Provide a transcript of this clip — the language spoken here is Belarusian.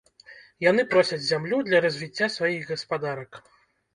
Яны просяць зямлю для развіцця сваіх гаспадарак.